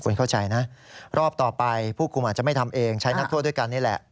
คุณเข้าใจนะรอบต่อไปผู้คุมอาจจะไม่ทำเองใช้นักโทษด้วยกันนี่แหละ